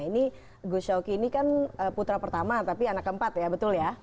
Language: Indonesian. ini gus syawki ini kan putra pertama tapi anak keempat ya betul ya